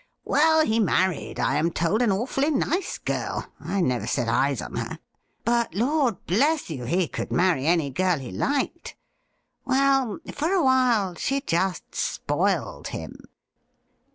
Well, he married, I am told, an awfully nice girl — ^I never set eyes on her — ^but. Lord bless you ! he could marry any girl he liked. Well, for awhile she just spoiled him.'